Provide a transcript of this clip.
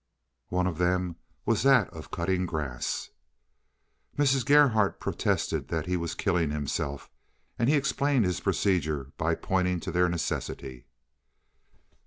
One of them was that of cutting grass. Mrs. Gerhardt protested that he was killing himself, but he explained his procedure by pointing to their necessity.